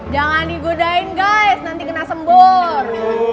jangan digodain guys nanti kena sembur